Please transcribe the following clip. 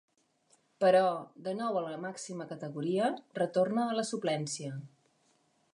Però, de nou a la màxima categoria, retorna a la suplència.